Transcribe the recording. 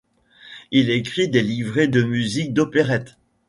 Il écrit des livrets de musique d'opérette.